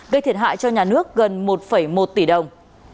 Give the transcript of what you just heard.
gây thiệt hại cho nhà nước gần một một tỷ đồng